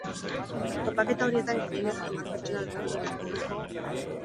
Topaketa horietan gehienez hamar pertsona elkartu beharko dira.